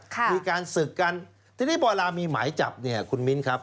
มีการศึกกันทีนี้พอเวลามีหมายจับเนี่ยคุณมิ้นครับ